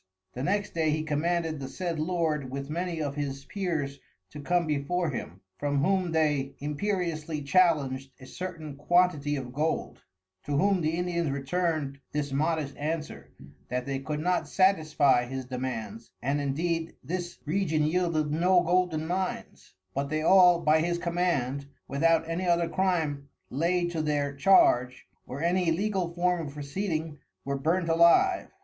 The next day he commanded the said Lord with many of his Peers to come before him, from whom they imperiously challenged a certain quantity of Gold; to whom the Indians return'd this modest Answer, that they could not satisfie his Demands, and indeed this Region yeilded no Golden Mines; but they all, by his command, without any other Crime laid to their Charge, or any Legal Form of Proceeding were burnt alive.